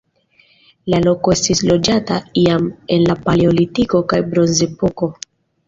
La loko estis loĝata jam en la paleolitiko kaj bronzepoko.